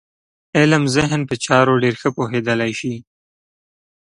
علم ذهن په چارو ډېر ښه پوهېدلی شي.